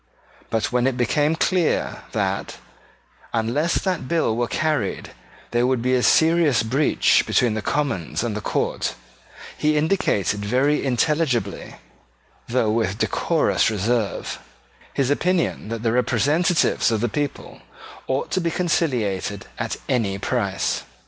But when it became clear that, unless that bill were carried, there would be a serious breach between the Commons and the court, he indicated very intelligibly, though with decorous reserve, his opinion that the representatives of the people ought to be conciliated at any price.